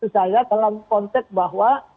saya dalam konteks bahwa